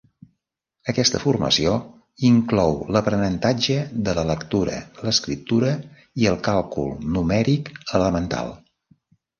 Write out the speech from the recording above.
Aquesta formació inclou l'aprenentatge de la lectura, l'escriptura i el càlcul numèric elemental.